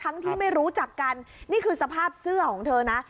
ที่ไม่รู้จักกันนี่คือสภาพเสื้อของเธอนะ